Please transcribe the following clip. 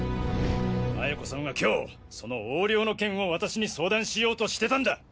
麻也子さんは今日その横領の件を私に相談しようとしてたんだ！